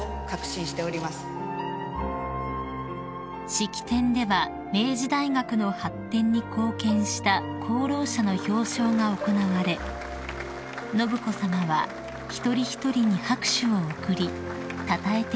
［式典では明治大学の発展に貢献した功労者の表彰が行われ信子さまは一人一人に拍手を送りたたえていらっしゃいました］